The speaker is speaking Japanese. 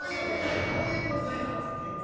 どういう問題なの？